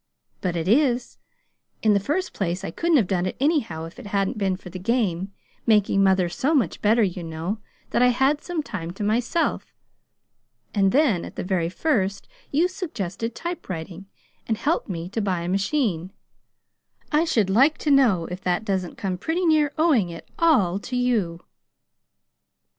"But it is. In the first place, I couldn't have done it anyway if it hadn't been for the game making mother so much better, you know, that I had some time to myself. And then, at the very first, you suggested typewriting, and helped me to buy a machine. I should like to know if that doesn't come pretty near owing it all to you!"